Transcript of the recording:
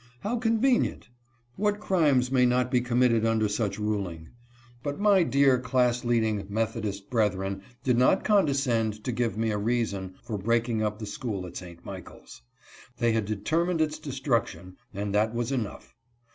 How convenient ! What crimes may not be committed under such ruling ! But my dear class lead ing Methodist brethren did not condescend to give me a reason for breaking up the school at St. Michaels. They had determined its destruction, and that was enough.